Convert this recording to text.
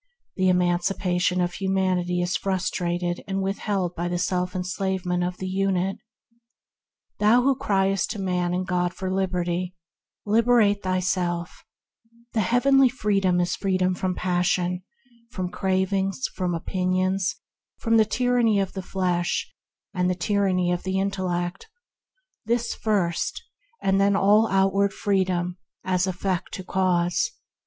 The emancipation of Humanity is frus trated and withheld by the self enslavement of the unit. Thou who criest to man and to God for liberty, liberate thyself! j V4 140 THE HEAVENLY LIFE The Heavenly Freedom is freedom from passion, from cravings, from opinions, from the tyranny of the flesh, and the tyranny of the intellect: this first, and then all outward freedom, as effect to cause.